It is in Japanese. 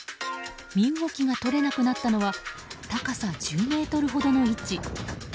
身動きが取れなくなったのは高さ１０ｍほどの位置。